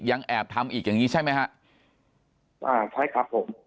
ยังแอบทำอีกอย่างงี้ใช่ไหมฮะอ่าใช่ครับผม